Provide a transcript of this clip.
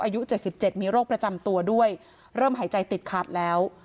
อายุ๗๗มีโรคประจำตัวด้วยเริ่มหายใจติดขัดแล้ว